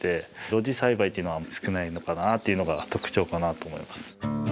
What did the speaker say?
露地栽培というのは少ないのかなというのが特徴かなと思います。